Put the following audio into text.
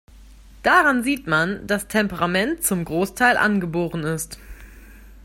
Daran sieht man, dass Temperament zum Großteil angeboren ist.